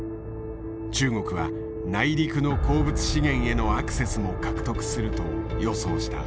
中国は内陸の鉱物資源へのアクセスも獲得すると予想した。